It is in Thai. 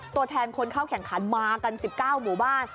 ตัวแทนคนเข้าแข่งขันมากัน๑๙หมู่บ้าน